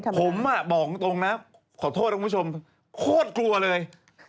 ผมอ่ะบอกรี๊งตรงนะขอโทษทุกคุณผู้ชมโค่ดกลัวเลย